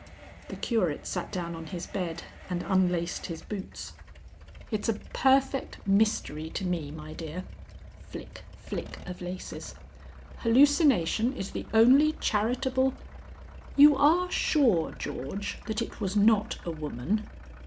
The Curate sat down on his bed and unlaced his boots. "It's a perfect mystery to me, my dear." (Flick, flick of laces.) "Hallucination is the only charitable " "You are sure, George, that it was not a woman."